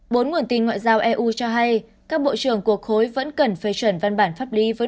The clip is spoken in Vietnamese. bốn nguồn tin ngoại giao eu cho hay các bộ trưởng của khối vẫn cần phê chuẩn văn bản pháp lý với